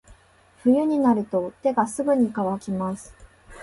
冬になると手がすぐに乾きます。